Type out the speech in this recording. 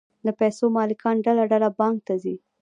د پیسو مالکان ډله ډله بانک ته ځي